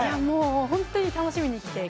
本当に楽しみにしていて、